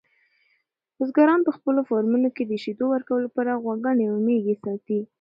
بزګران په خپلو فارمونو کې د شیدو ورکولو لپاره غواګانې او میږې ساتي.